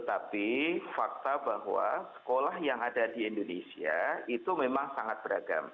tapi fakta bahwa sekolah yang ada di indonesia itu memang sangat beragam